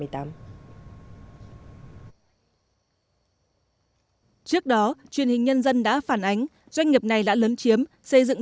trước đó truyền hình nhân dân đã phản ánh doanh nghiệp này đã lớn chiếm xây dựng